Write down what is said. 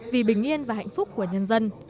vì bình yên và hạnh phúc của nhân dân